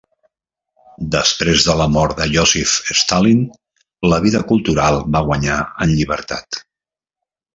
Després de la mort de Ióssif Stalin, la vida cultural va guanyar llibertat.